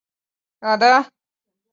龙提尼翁人口变化图示